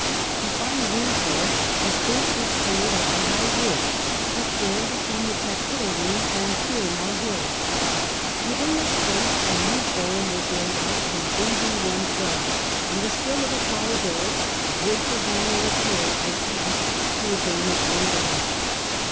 To find room for it a space was cleared on the high ridge which ran between the Capitoline and Quirinal hills. Within this space a new forum was laid out, and the skill of ApoUodorus, the great designer of the age, was tasked to adorn it worthily.